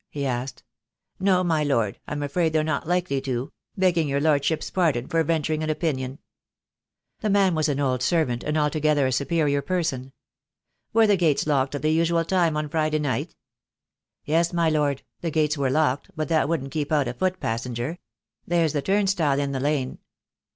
he asked. "No, my Lord, I'm afraid they're not likely to — begging your Lordship's pardon for venturing an opinion." The man was an old servant, and altogether a superior person. "Were the gates locked at the usual time on Friday night?" "Yes, my Lord — the gates were locked, but that wouldn't keep out a foot passenger. There's the turnstile in the lane."